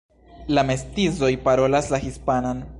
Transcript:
La mestizoj parolas la hispanan.